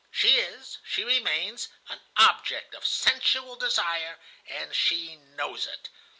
She is, she remains, an object of sensual desire, and she knows it.